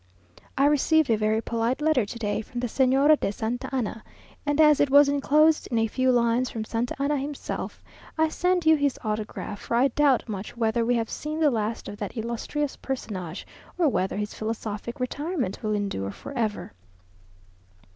I received a very polite letter today from the Señora de Santa Anna, and as it was enclosed in a few lines from Santa Anna himself, I send you his autograph, for I doubt much whether we have seen the last of that illustrious personage, or whether his philosophic retirement will endure for ever.